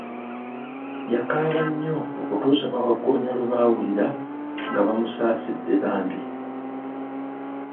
Yakaaba nnyo okutuusa bawagggoonya Iwe baawulira nga bamusaasidde bambi.